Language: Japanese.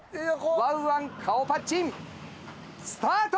わんわん顔パッチンスタート。